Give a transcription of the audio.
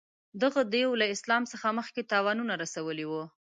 دغه دېو له اسلام څخه مخکې تاوانونه رسولي وه.